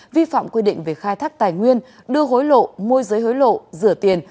vi phạm quy định về khai thác tài nguyên đưa hối lộ môi giới hối lộ rửa tiền